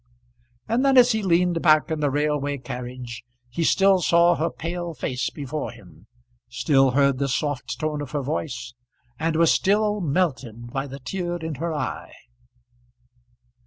And then as he leaned back in the railway carriage he still saw her pale face before him, still heard the soft tone of her voice, and was still melted by the tear in her eye.